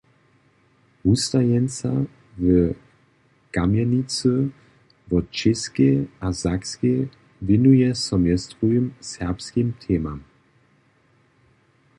Wustajeńca w Kamjenicy wo Čěskej a Sakskej wěnuje so mjez druhim serbskim temam.